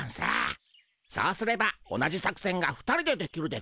そうすれば同じ作せんが２人でできるでゴンス。